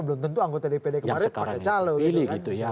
belum tentu anggota dpd kemarin pakai calon